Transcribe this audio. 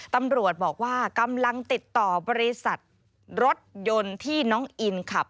ตำรวจบอกว่ากำลังติดต่อบริษัทรถยนต์ที่น้องอินขับ